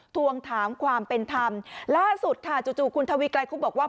ทวงถามความเป็นธรรมล่าสุดค่ะจู่คุณทวีไกรเขาบอกว่า